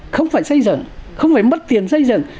không phải xây dựng không phải mất tiền xây dựng